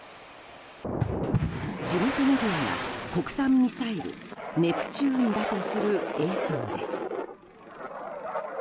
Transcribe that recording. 地元メディアが国産ミサイルネプチューンだとする映像です。